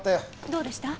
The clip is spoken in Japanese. どうでした？